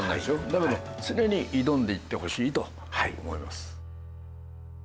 だけど常に挑んでいってほしいと思います。